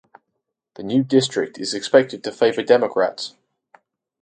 The new district is expected to favor Democrats.